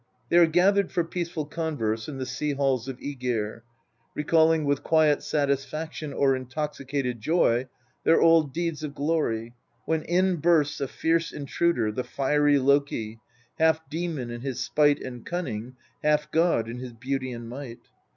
They are gathered for peaceful converse in the sea halls of JEgir, recalling with quiet satisfaction or intoxicated Joy their old deeds of glory, when in bursts a fierce intruder, the fiery Loki, half demon in his spite and cunning, half god in his beauty and might.